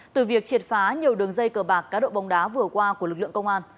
từ việc triệt phá nhiều đường dây cờ bạc cá độ bóng đá vừa qua của lực lượng công an